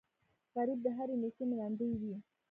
غریب د هرې نیکۍ منندوی وي